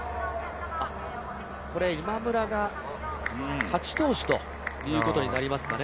今村が勝ち投手ということになりますかね？